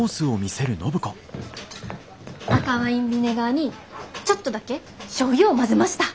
赤ワインビネガーにちょっとだけしょうゆを混ぜました！